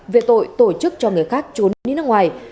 về tội tổ chức cho người khác trốn đi nước ngoài